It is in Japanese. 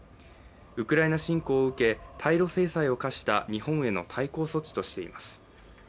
ウクライナ侵攻を受け対ロ制裁を科した日本への対抗措置としています。